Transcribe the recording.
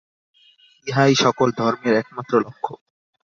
ইহাই সকল ধর্মের একমাত্র লক্ষ্য।